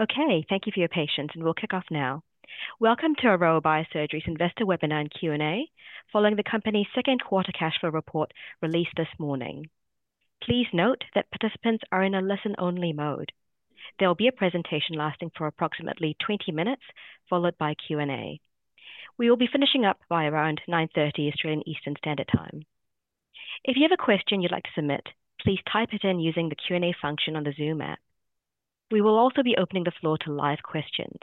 Okay, thank you for your patience, and we'll kick off now. Welcome to Aroa Biosurgery's Investor Webinar and Q&A, following the company's second quarter cash flow report released this morning. Please note that participants are in a listen-only mode. There will be a presentation lasting for approximately 20 minutes, followed by Q&A. We will be finishing up by around 9:30 A.M. Australian Eastern Standard Time. If you have a question you'd like to submit, please type it in using the Q&A function on the Zoom app. We will also be opening the floor to live questions.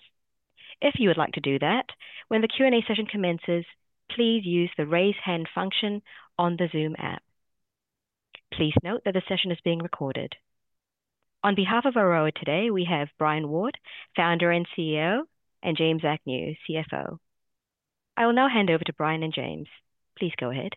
If you would like to do that, when the Q&A session commences, please use the Raise Hand function on the Zoom app. Please note that the session is being recorded. On behalf of Aroa today, we have Brian Ward, Founder and CEO, and James Agnew, CFO. I will now hand over to Brian and James. Please go ahead.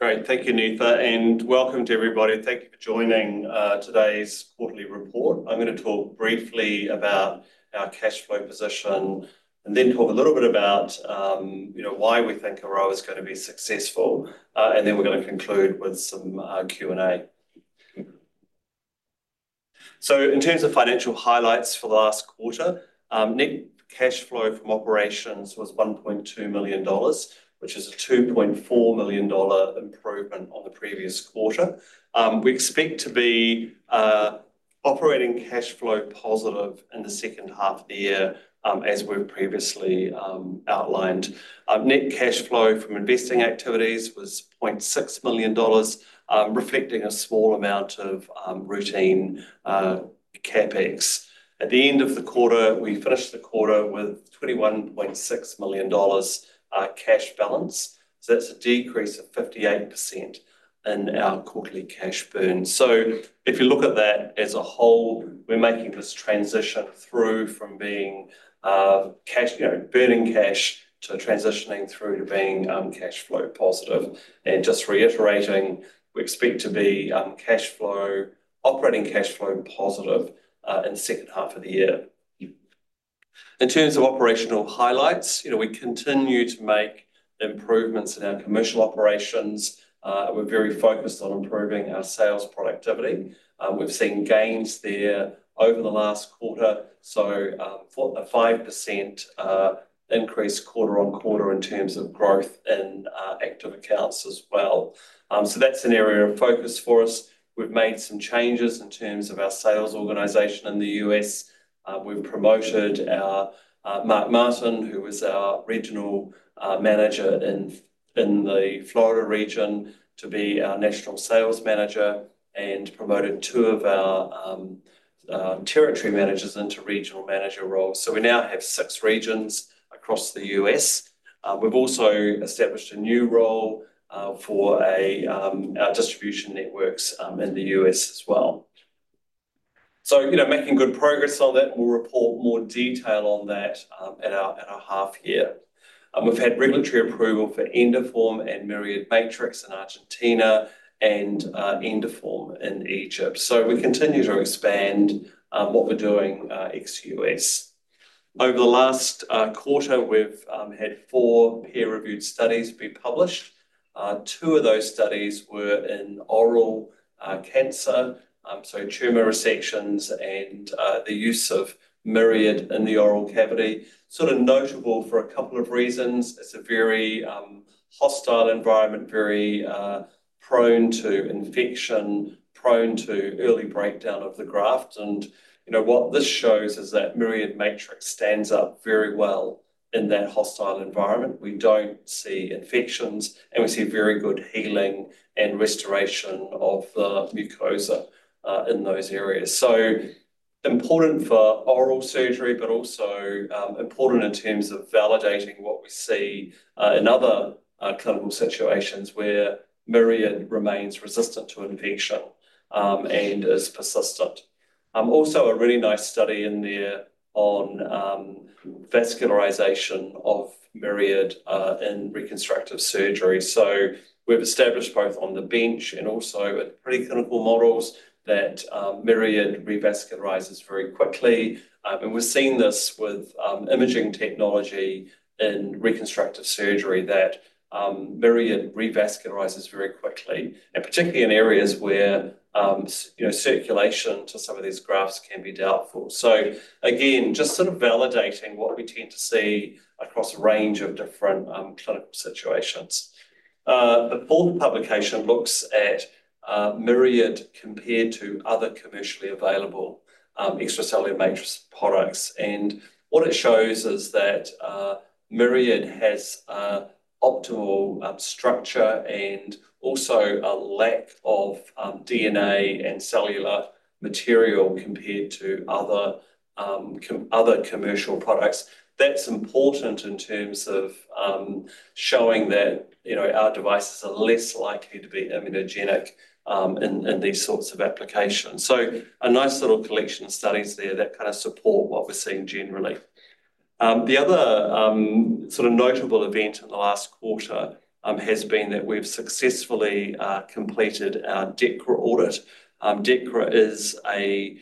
Great. Thank you, Neetha, and welcome to everybody. Thank you for joining, today's quarterly report. I'm gonna talk briefly about our cash flow position and then talk a little bit about, you know, why we think Aroa is gonna be successful, and then we're gonna conclude with some, Q&A. So in terms of financial highlights for the last quarter, net cash flow from operations was 1.2 million dollars, which is a 2.4 million dollar improvement on the previous quarter. We expect to be, operating cash flow positive in the second half of the year, as we've previously, outlined. Net cash flow from investing activities was 0.6 million dollars, reflecting a small amount of, routine, CapEx. At the end of the quarter, we finished the quarter with $21.6 million cash balance, so that's a decrease of 58% in our quarterly cash burn. So if you look at that as a whole, we're making this transition through from being cash, you know, burning cash to transitioning through to being cash flow positive. And just reiterating, we expect to be cash flow, operating cash flow positive in the second half of the year. In terms of operational highlights, you know, we continue to make improvements in our commercial operations. We're very focused on improving our sales productivity. We've seen gains there over the last quarter, so 4%-5% increase quarter on quarter in terms of growth in active accounts as well. So that's an area of focus for us. We've made some changes in terms of our sales organization in the U.S. We've promoted our Mark Martin, who was our Regional Manager in the Florida region, to be our National Sales Manager, and promoted two of our Territory Managers into Regional Manager roles. So we now have six regions across the U.S. We've also established a new role for our distribution networks in the U.S. as well. So, you know, making good progress on that. We'll report more detail on that at our half year. We've had regulatory approval for Endoform and Myriad Matrix in Argentina and Endoform in Egypt. So we continue to expand what we're doing ex-U.S. Over the last quarter, we've had four peer-reviewed studies be published. Two of those studies were in oral cancer, so tumor resections and the use of Myriad in the oral cavity. Sort of notable for a couple of reasons. It's a very hostile environment, very prone to infection, prone to early breakdown of the graft, and you know what this shows is that Myriad Matrix stands up very well in that hostile environment. We don't see infections, and we see very good healing and restoration of the mucosa in those areas, so important for oral surgery, but also important in terms of validating what we see in other clinical situations where Myriad remains resistant to infection and is persistent. Also a really nice study in there on vascularization of Myriad in reconstructive surgery. So we've established both on the bench and also with preclinical models that, Myriad revascularizes very quickly. And we're seeing this with, imaging technology in reconstructive surgery that, Myriad revascularizes very quickly, and particularly in areas where, you know, circulation to some of these grafts can be doubtful. So again, just sort of validating what we tend to see across a range of different, clinical situations. The fourth publication looks at, Myriad compared to other commercially available, extracellular matrix products, and what it shows is that, Myriad has a optimal, structure and also a lack of, DNA and cellular material compared to other, other commercial products. That's important in terms of, showing that, you know, our devices are less likely to be immunogenic, in these sorts of applications. So a nice little collection of studies there that kind of support what we're seeing generally. The other, sort of notable event in the last quarter, has been that we've successfully completed our DEKRA audit. DEKRA is a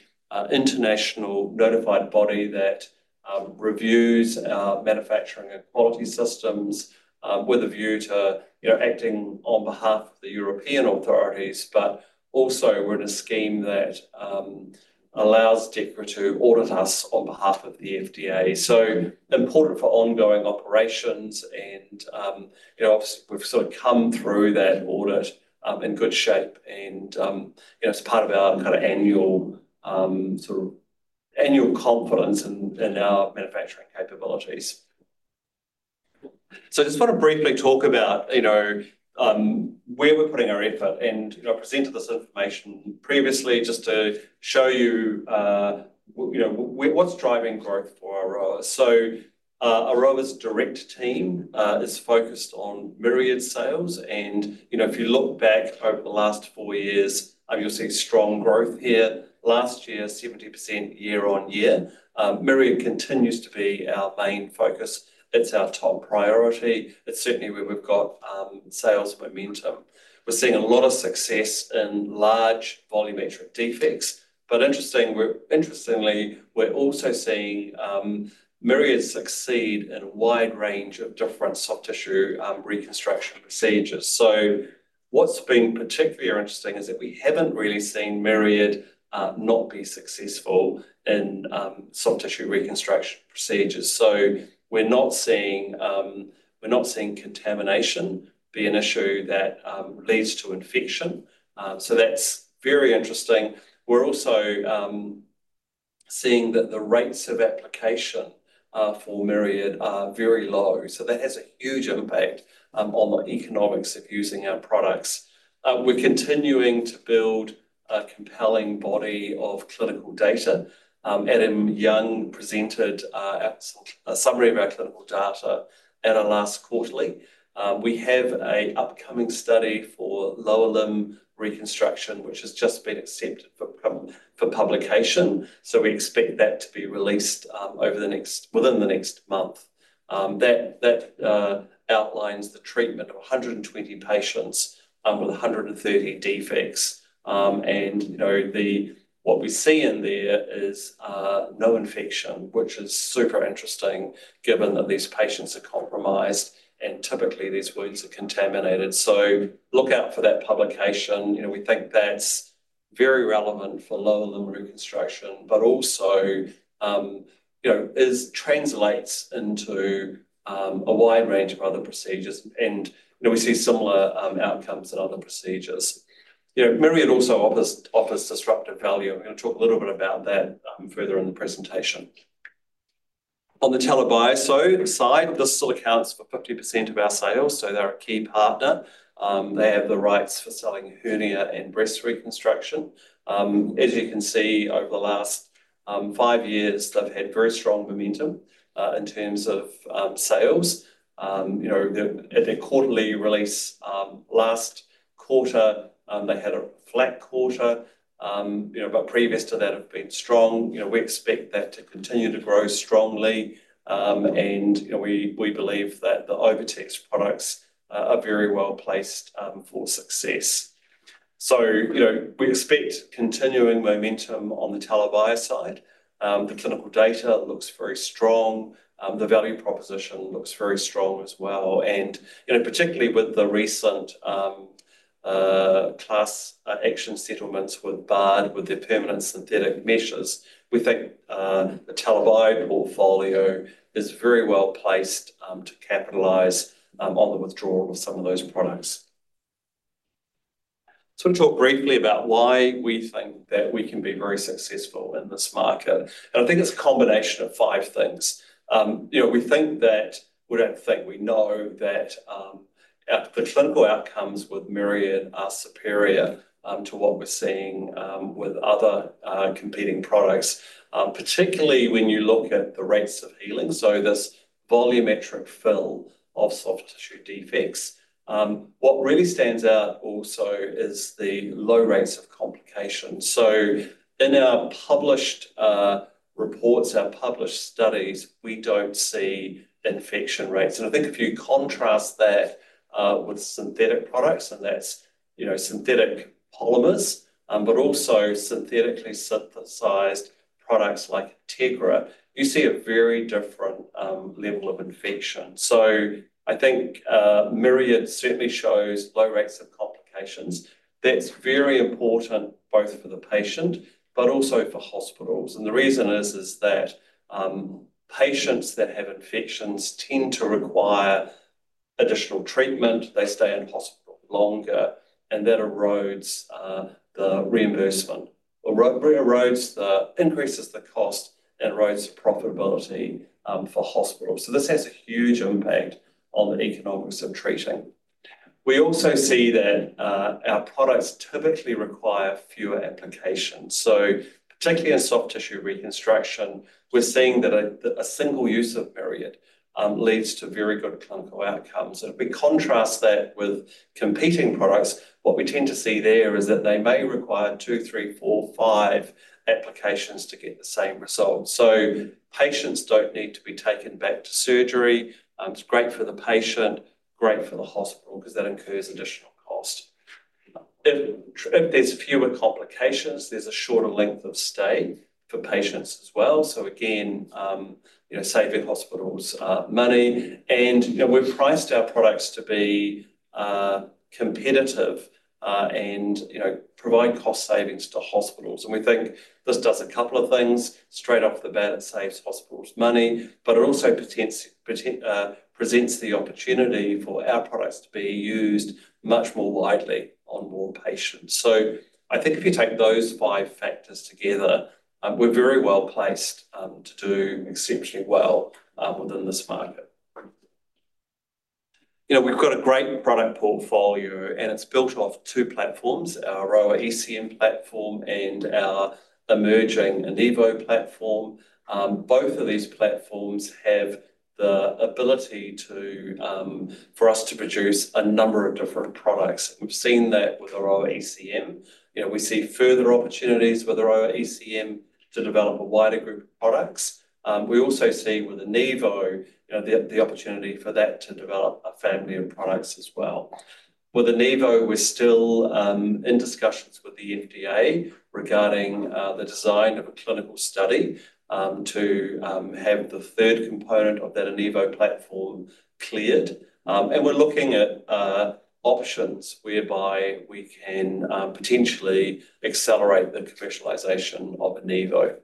international notified body that reviews our manufacturing and quality systems, with a view to, you know, acting on behalf of the European authorities, but also, we're in a scheme that allows DEKRA to audit us on behalf of the FDA. So important for ongoing operations and, you know, obviously, we've sort of come through that audit, in good shape and, you know, it's part of our kind of annual and your confidence in our manufacturing capabilities. So I just wanna briefly talk about, you know, where we're putting our effort, and I presented this information previously just to show you, you know, what's driving growth for Aroa. So, Aroa's direct team is focused on Myriad's sales, and, you know, if you look back over the last four years, you'll see strong growth here. Last year, 70% year on year. Myriad continues to be our main focus. It's our top priority. It's certainly where we've got sales momentum. We're seeing a lot of success in large volumetric defects, but interesting, interestingly, we're also seeing Myriad succeed in a wide range of different soft tissue reconstruction procedures. So what's been particularly interesting is that we haven't really seen Myriad not be successful in soft tissue reconstruction procedures. So we're not seeing contamination be an issue that leads to infection. So that's very interesting. We're also seeing that the rates of application for Myriad are very low, so that has a huge impact on the economics of using our products. We're continuing to build a compelling body of clinical data. Adam Young presented a summary of our clinical data at our last quarterly. We have an upcoming study for lower limb reconstruction, which has just been accepted for publication, so we expect that to be released within the next month. That outlines the treatment of a hundred and twenty patients with a hundred and thirty defects. And, you know, what we see in there is no infection, which is super interesting, given that these patients are compromised, and typically, these wounds are contaminated. So look out for that publication. You know, we think that's very relevant for lower limb reconstruction, but also, you know, it translates into a wide range of other procedures, and, you know, we see similar outcomes in other procedures. You know, Myriad also offers disruptive value. I'm gonna talk a little bit about that further in the presentation. On the TELA Bio side, this still accounts for 50% of our sales, so they're a key partner. They have the rights for selling hernia and breast reconstruction. As you can see, over the last five years, they've had very strong momentum in terms of sales. You know, at their quarterly release last quarter, they had a flat quarter. You know, but previous to that have been strong. You know, we expect that to continue to grow strongly. And, you know, we believe that the OviTex products are very well placed for success. So, you know, we expect continuing momentum on the TELA Bio side. The clinical data looks very strong. The value proposition looks very strong as well, and, you know, particularly with the recent class action settlements with Bard, with their permanent synthetic meshes, we think the TELA Bio portfolio is very well placed to capitalize on the withdrawal of some of those products. I want to talk briefly about why we think that we can be very successful in this market, and I think it's a combination of five things. You know, we don't think we know that the clinical outcomes with Myriad are superior to what we're seeing with other competing products, particularly when you look at the rates of healing, so this volumetric fill of soft tissue defects. What really stands out also is the low rates of complications. In our published reports, our published studies, we don't see infection rates. I think if you contrast that with synthetic products, and that's, you know, synthetic polymers, but also synthetically synthesized products like Integra, you see a very different level of infection. I think Myriad certainly shows low rates of complications. That's very important, both for the patient, but also for hospitals, and the reason is that patients that have infections tend to require additional treatment, they stay in hospital longer, and that erodes the reimbursement, or increases the cost and erodes profitability for hospitals. So this has a huge impact on the economics of treating, we also see that our products typically require fewer applications, so particularly in soft tissue reconstruction, we're seeing that a single use of Myriad leads to very good clinical outcomes. If we contrast that with competing products, what we tend to see there is that they may require two, three, four, five applications to get the same result, so patients don't need to be taken back to surgery. It's great for the patient, great for the hospital, 'cause that incurs additional cost. If there's fewer complications, there's a shorter length of stay for patients as well. So again, you know, saving hospitals money. And, you know, we've priced our products to be competitive, and, you know, provide cost savings to hospitals, and we think this does a couple of things. Straight off the bat, it saves hospitals money, but it also presents the opportunity for our products to be used much more widely on more patients. So I think if you take those five factors together, we're very well placed to do exceptionally well within this market. You know, we've got a great product portfolio, and it's built off two platforms: our AROA ECM platform and our emerging Enivo platform. Both of these platforms have the ability to for us to produce a number of different products. We've seen that with our AROA ECM. You know, we see further opportunities with our AROA ECM to develop a wider group of products. We also see with Enivo, you know, the opportunity for that to develop a family of products as well. With Enivo, we're still in discussions with the FDA regarding the design of a clinical study to have the third component of that Enivo platform cleared. And we're looking at options whereby we can potentially accelerate the professionalization of Enivo.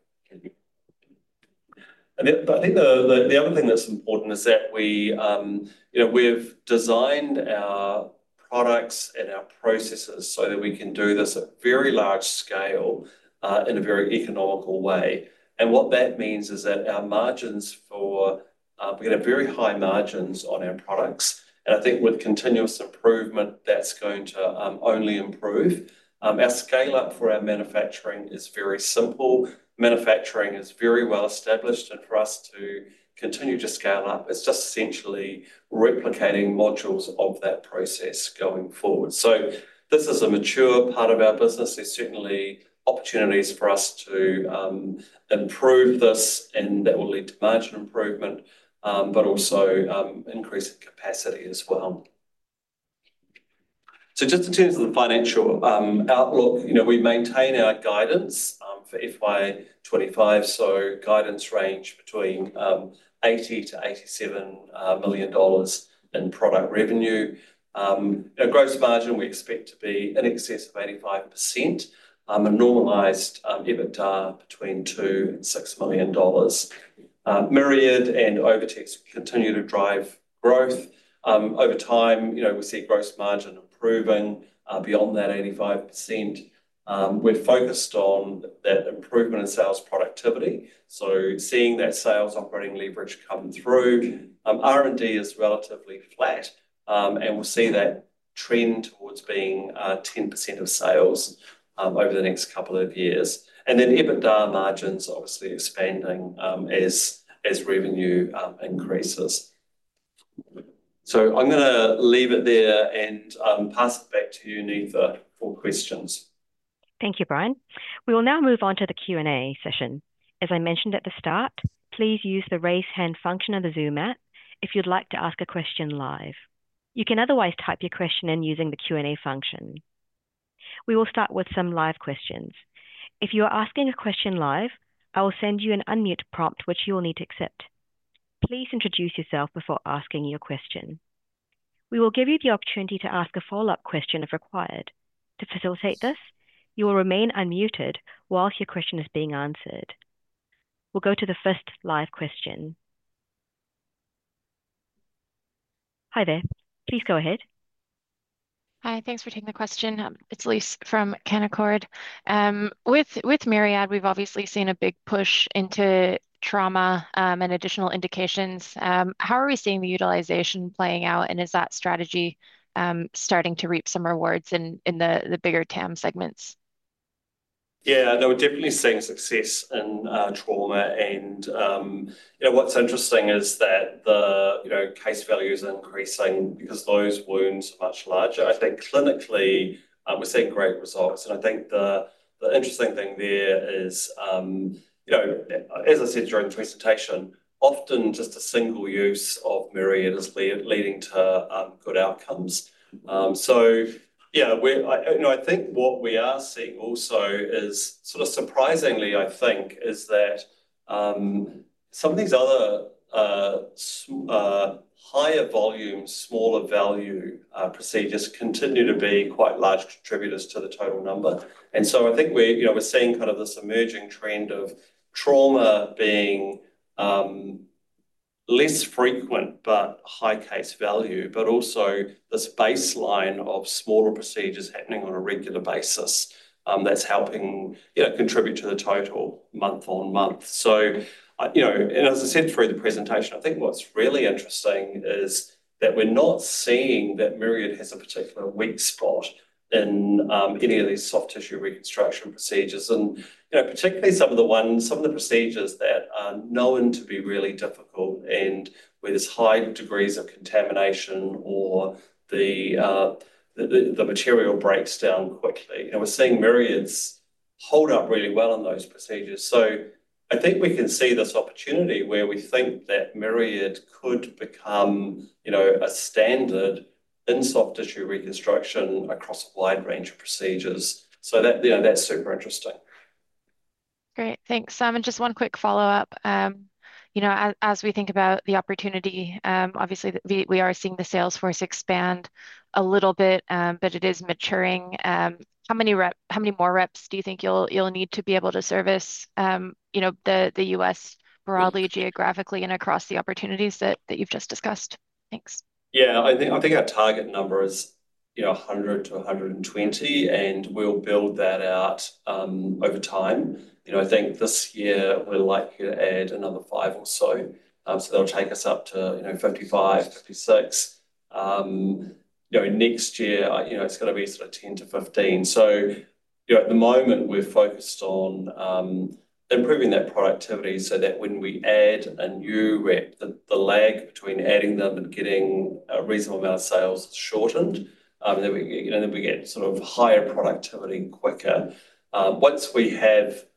And then, I think the other thing that's important is that we, you know, we've designed our products and our processes so that we can do this at very large scale in a very economical way. And what that means is that our margins for, we get a very high margins on our products, and I think with continuous improvement, that's going to only improve. Our scale-up for our manufacturing is very simple. Manufacturing is very well established, and for us to continue to scale up, it's just essentially replicating modules of that process going forward. So this is a mature part of our business. There's certainly opportunities for us to improve this, and that will lead to margin improvement, but also increasing capacity as well. So just in terms of the financial outlook, you know, we maintain our guidance for FY 2025, so guidance range between $80-$87 million in product revenue. Our gross margin we expect to be in excess of 85%, a normalized EBITDA between $2 million and $6 million. Myriad and OviTex continue to drive growth. Over time, you know, we see gross margin improving beyond that 85%. We're focused on that improvement in sales productivity, so seeing that sales operating leverage come through. R&D is relatively flat, and we'll see that trend towards being 10% of sales over the next couple of years. Then EBITDA margins, obviously expanding, as revenue increases. So I'm gonna leave it there and pass it back to you, Neetha, for questions. Thank you, Brian. We will now move on to the Q&A session. As I mentioned at the start, please use the Raise Hand function of the Zoom app if you'd like to ask a question live. You can otherwise type your question in using the Q&A function. We will start with some live questions. If you are asking a question live, I will send you an unmute prompt, which you will need to accept. Please introduce yourself before asking your question. We will give you the opportunity to ask a follow-up question, if required. To facilitate this, you will remain unmuted whilst your question is being answered. We'll go to the first live question. Hi there. Please go ahead. Hi, thanks for taking the question. It's Elyse from Canaccord. With Myriad, we've obviously seen a big push into trauma, and additional indications. How are we seeing the utilization playing out, and is that strategy starting to reap some rewards in the bigger TAM segments? Yeah, no, we're definitely seeing success in trauma and, you know, what's interesting is that the, you know, case values are increasing because those wounds are much larger. I think clinically, we're seeing great results, and I think the interesting thing there is, you know, as I said during the presentation, often just a single use of Myriad is leading to good outcomes. So yeah, I, you know, I think what we are seeing also is sort of surprisingly, I think, is that some of these other higher volume, smaller value procedures continue to be quite large contributors to the total number. And so I think we're, you know, we're seeing kind of this emerging trend of trauma being less frequent, but high case value, but also this baseline of smaller procedures happening on a regular basis, that's helping, you know, contribute to the total month on month. So, you know, and as I said through the presentation, I think what's really interesting is that we're not seeing that Myriad has a particular weak spot in any of these soft tissue reconstruction procedures. And, you know, particularly some of the ones, some of the procedures that are known to be really difficult and where there's high degrees of contamination or the material breaks down quickly, and we're seeing Myriads hold up really well in those procedures. So I think we can see this opportunity where we think that Myriad could become, you know, a standard in soft tissue reconstruction across a wide range of procedures. So that, you know, that's super interesting. Great, thanks. And just one quick follow-up. You know, as we think about the opportunity, obviously, we are seeing the sales force expand a little bit, but it is maturing. How many more reps do you think you'll need to be able to service, you know, the U.S. broadly, geographically, and across the opportunities that you've just discussed? Thanks. Yeah, I think our target number is, you know, 100-120, and we'll build that out over time. You know, I think this year we're likely to add another 5 or so. So that'll take us up to, you know, 55, 56. You know, next year, you know, it's gonna be sort of 10-15. So, you know, at the moment, we're focused on improving that productivity so that when we add a new rep, the lag between adding them and getting a reasonable amount of sales is shortened. Then we, you know, get sort of higher productivity quicker. Once we have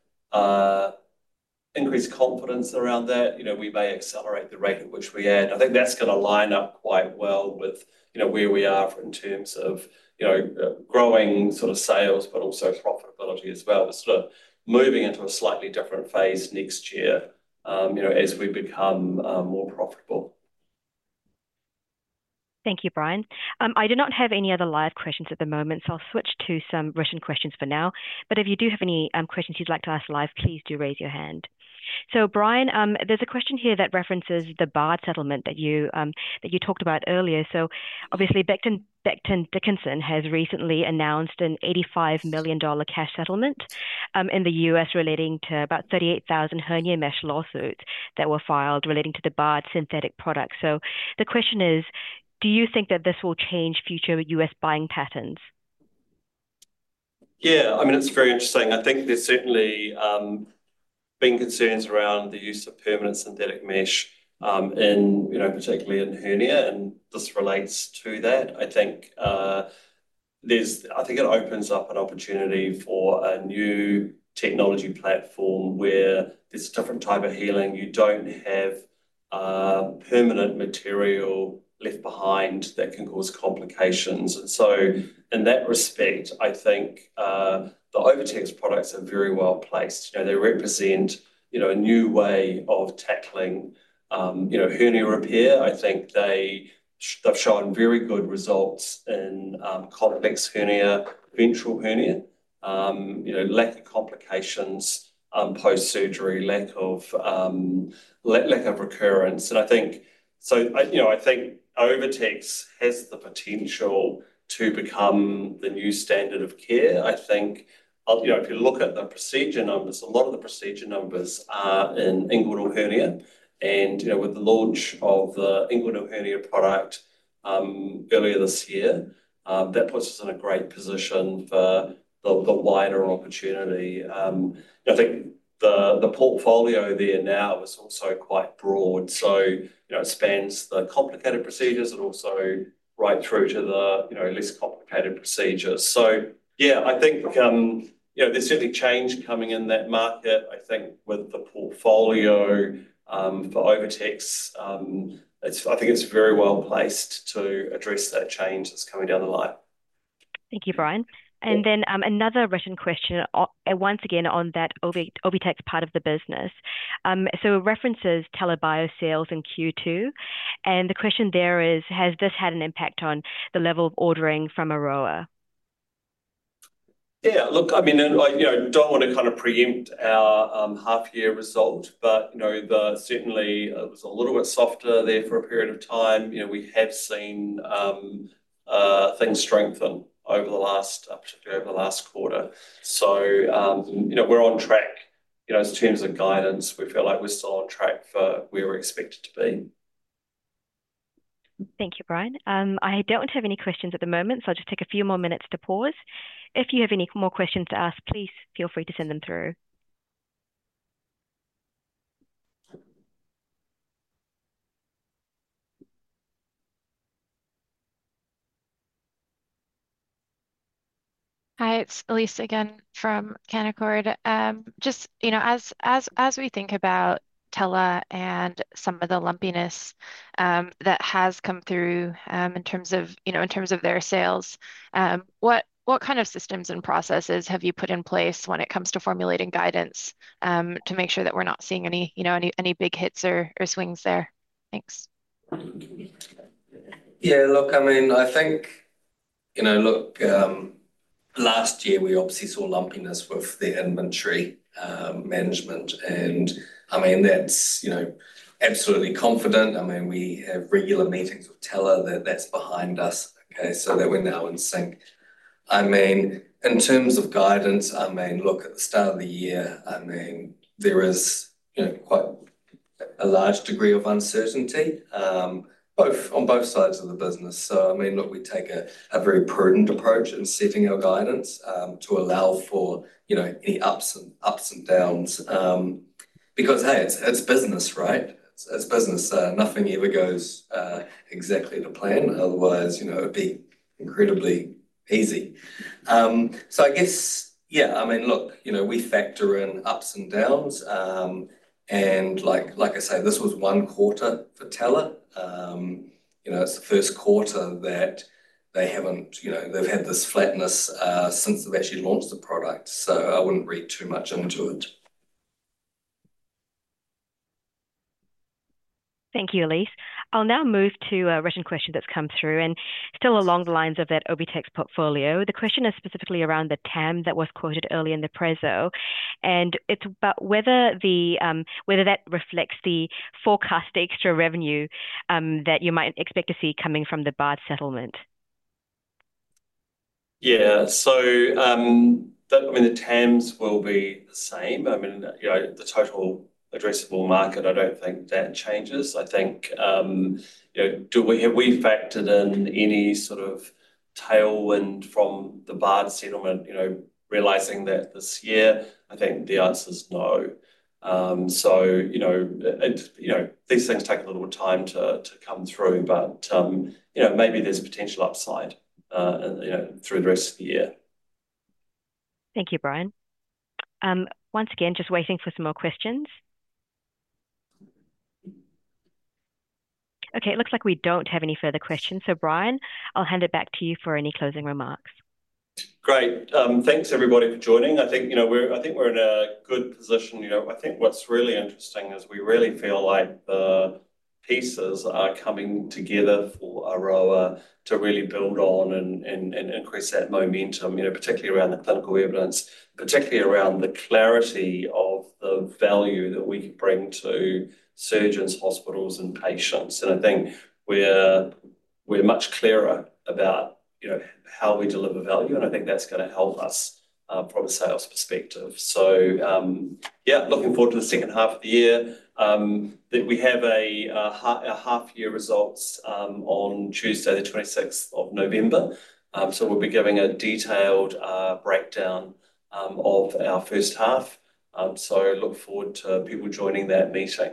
increased confidence around that, you know, we may accelerate the rate at which we add. I think that's gonna line up quite well with, you know, where we are in terms of, you know, growing sort of sales, but also profitability as well. We're sort of moving into a slightly different phase next year, you know, as we become more profitable. Thank you, Brian. I do not have any other live questions at the moment, so I'll switch to some written questions for now. But if you do have any, questions you'd like to ask live, please do raise your hand. So, Brian, there's a question here that references the Bard settlement that you talked about earlier. So obviously, Becton Dickinson has recently announced an $85 million cash settlement in the U.S. relating to about 38,000 hernia mesh lawsuits that were filed relating to the Bard synthetic product. So the question is: Do you think that this will change future U.S. buying patterns? Yeah, I mean, it's very interesting. I think there's certainly been concerns around the use of permanent synthetic mesh in, you know, particularly in hernia, and this relates to that. I think it opens up an opportunity for a new technology platform where there's a different type of healing. You don't have permanent material left behind that can cause complications. So in that respect, I think the OviTex products are very well-placed. You know, they represent, you know, a new way of tackling, you know, hernia repair. I think they, they've shown very good results in complex hernia, ventral hernia. You know, lack of complications post-surgery, lack of recurrence. And I think, so, I, you know, I think OviTex has the potential to become the new standard of care. I think, you know, if you look at the procedure numbers, a lot of the procedure numbers are in inguinal hernia, and, you know, with the launch of the inguinal hernia product, earlier this year, that puts us in a great position for the wider opportunity. I think the portfolio there now is also quite broad, so, you know, it spans the complicated procedures and also right through to the, you know, less complicated procedures. So yeah, I think, you know, there's certainly change coming in that market. I think with the portfolio, for OviTex, it's. I think it's very well-placed to address that change that's coming down the line. Thank you, Brian. Yeah. And then, another written question, and once again, on that OviTex part of the business. So it references TELA Bio sales in Q2, and the question there is: Has this had an impact on the level of ordering from Aroa? Yeah, look, I mean, you know, don't want to kind of preempt our half-year result, but, you know, certainly, it was a little bit softer there for a period of time. You know, we have seen things strengthen over the last, particularly over the last quarter. So, you know, we're on track. You know, in terms of guidance, we feel like we're still on track for where we're expected to be. Thank you, Brian. I don't have any questions at the moment, so I'll just take a few more minutes to pause. If you have any more questions to ask, please feel free to send them through. Hi, it's Elyse again from Canaccord. Just, you know, as we think about TELA and some of the lumpiness that has come through in terms of, you know, in terms of their sales, what kind of systems and processes have you put in place when it comes to formulating guidance to make sure that we're not seeing any, you know, any big hits or swings there? Thanks. Yeah, look, I mean, I think, you know, look, last year, we obviously saw lumpiness with the inventory management, and, I mean, that's, you know, absolutely confident. I mean, we have regular meetings with TELA that, that's behind us, okay? So that we're now in sync. I mean, in terms of guidance, I mean, look, at the start of the year, I mean, there is, you know, quite a large degree of uncertainty, both sides of the business. So, I mean, look, we take a very prudent approach in setting our guidance, to allow for, you know, any ups and downs, because, hey, it's business, right? It's business, nothing ever goes exactly to plan. Otherwise, you know, it'd be incredibly easy. So, I guess, yeah, I mean, look, you know, we factor in ups and downs, and like I said, this was one quarter for TELA. You know, it's the first quarter that they haven't, you know, they've had this flatness since they've actually launched the product, so I wouldn't read too much into it. Thank you, Elyse. I'll now move to a written question that's come through, and still along the lines of that OviTex portfolio. The question is specifically around the TAM that was quoted earlier in the preso, and it's about whether that reflects the forecast extra revenue that you might expect to see coming from the Bard settlement. Yeah, so, the, I mean, the TAMs will be the same. I mean, you know, the total addressable market, I don't think that changes. I think, you know, have we factored in any sort of tailwind from the Bard settlement, you know, realizing that this year? I think the answer is no. So, you know, it, you know, these things take a little time to come through, but, you know, maybe there's a potential upside, you know, through the rest of the year. Thank you, Brian. Once again, just waiting for some more questions. Okay, it looks like we don't have any further questions. So Brian, I'll hand it back to you for any closing remarks. Great. Thanks everybody for joining. I think, you know, I think we're in a good position. You know, I think what's really interesting is we really feel like the pieces are coming together for Aroa to really build on and increase that momentum, you know, particularly around the clinical evidence, particularly around the clarity of the value that we can bring to surgeons, hospitals, and patients. And I think we're much clearer about, you know, how we deliver value, and I think that's gonna help us from a sales perspective. So, yeah, looking forward to the second half of the year. That we have a half-year results on Tuesday, the twenty-sixth of November. So we'll be giving a detailed breakdown of our first half. So look forward to people joining that meeting.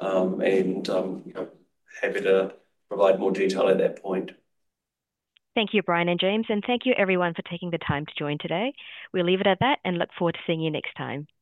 Happy to provide more detail at that point. Thank you, Brian and James, and thank you everyone for taking the time to join today. We'll leave it at that, and look forward to seeing you next time. Great.